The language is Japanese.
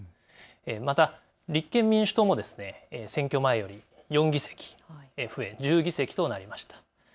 また立憲民主党も選挙前より４議席増え１０議席となりました。